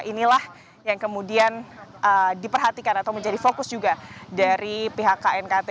inilah yang kemudian diperhatikan atau menjadi fokus juga dari pihak knkt